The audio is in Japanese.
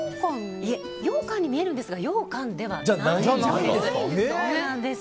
ようかんに見えるんですがようかんではないんです。